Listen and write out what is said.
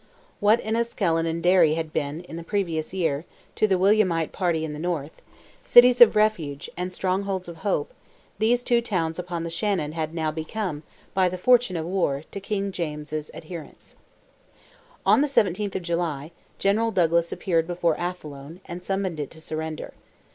What Enniskillen and Derry had been, in the previous year, to the Williamite party in the north, cities of refuge, and strongholds of hope, these two towns upon the Shannon had now become, by the fortune of war, to King James's adherents. On the 17th of July, General Douglas appeared before Athlone, and summoned it to surrender.